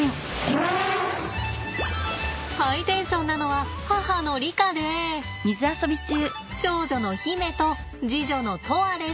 ハイテンションなのは母のリカで長女の媛と次女の砥愛です。